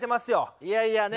いやいやね